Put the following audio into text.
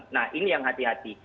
nah ini yang hati hati